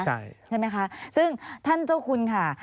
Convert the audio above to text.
ใช่ไหมคะซึ่งท่านเจ้าคุณค่ะ